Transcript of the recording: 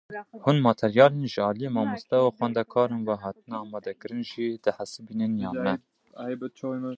Hûn materyalên ji aliyê mamoste û xwendekaran ve hatine amadekirin jî dihesibînin yan ne?